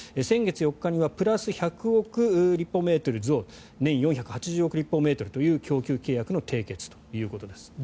先月４日にはプラス１００億立方メートル増年４８０億立方メートルという供給締結の契約ということです。